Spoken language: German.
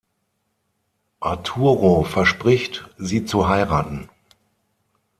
Arturo verspricht, sie zu heiraten.